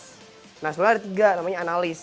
nah sebenarnya ada tiga namanya analis